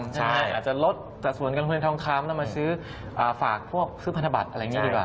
อาจจะลดส่วนการคุณในดองคลัมมาฝากพวกซื้อพัฒนบัตรอะไรอย่างนี้ดีกว่า